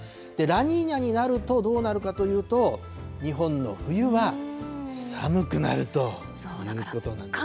ラニーニャになるとどうなるかというと、日本の冬は寒くなるということなんです。